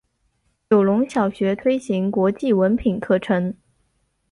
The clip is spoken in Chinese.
九龙小学推行国际文凭课程。